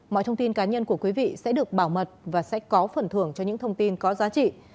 mọi thông tin cá nhân của quý vị sẽ được bảo mật và sẽ có phần thưởng cho những thông tin có giá trị